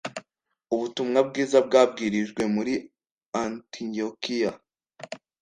Ubutumwa bwiza bwabwirijwe muri Antiyokiya